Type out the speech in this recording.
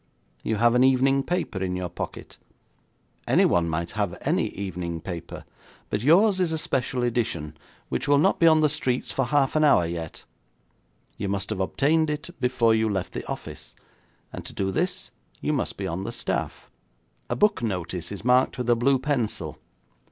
You have an evening paper in your pocket. Anyone might have any evening paper, but yours is a Special Edition, which will not be on the streets for half an hour yet. You must have obtained it before you left the office, and to do this you must be on the staff. A book notice is marked with a blue pencil.